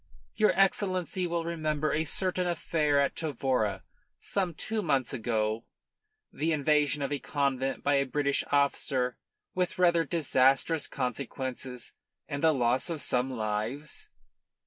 Your Excellency will remember a certain affair at Tavora some two months ago the invasion of a convent by a British officer with rather disastrous consequences and the loss of some lives."